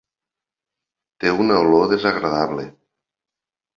Té una olor desagradable.